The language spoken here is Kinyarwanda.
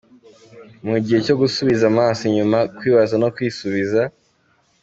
Ni igihe cyo gusubiza amaso inyuma, kwibaza no kwisubiza.